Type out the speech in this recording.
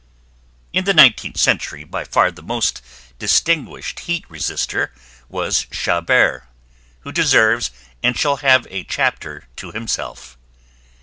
In the nineteenth century by far the most distinguished heat resister was Chabert, who deserves and shall have a chapter to himself.